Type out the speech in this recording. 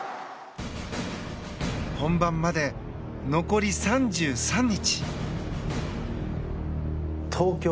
本番まで、残り３３日。